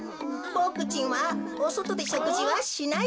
ボクちんはおそとでしょくじはしない